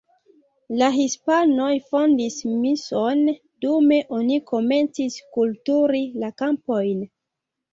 La hispanoj fondis mision, dume oni komencis kulturi la kampojn.